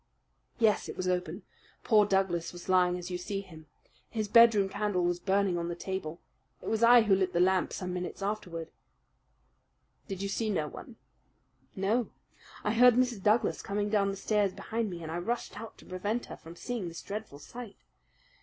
"Yes, it was open. Poor Douglas was lying as you see him. His bedroom candle was burning on the table. It was I who lit the lamp some minutes afterward." "Did you see no one?" "No. I heard Mrs. Douglas coming down the stair behind me, and I rushed out to prevent her from seeing this dreadful sight. Mrs.